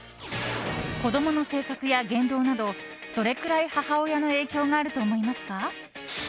子供の性格や言動などどれくらい母親の影響があると思いますか？